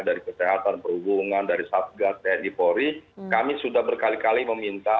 dari kesehatan perhubungan dari satgas tni polri kami sudah berkali kali meminta